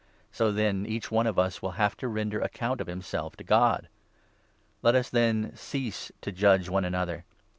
"' So, then, each one of us will have to render account of himself 12 to God. Let us, then, cease to judge one another.